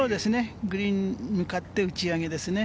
グリーンに向かって打ち上げですね。